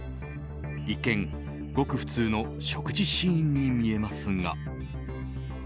一見、ごく普通の食事シーンに見えますが。